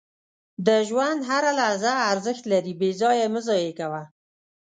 • د ژوند هره لحظه ارزښت لري، بې ځایه یې مه ضایع کوه.